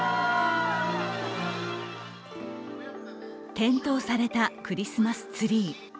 点灯されたクリスマスツリー。